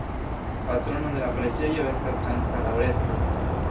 Patrono de la preĝejo estas Sankta Laŭrenco.